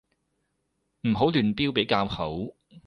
唔好亂標比較好